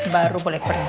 baru boleh beresnya